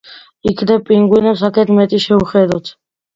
იქნებ პინგვინებს აქვთ მეტი, შევხედოთ.